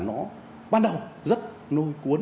nó ban đầu rất nôi cuốn